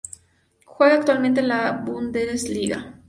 Juega actualmente en la Bundesliga.